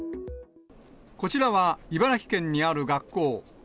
こちらは、茨城県にある学校。